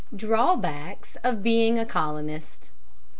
DRAWBACKS OF BEING A COLONIST.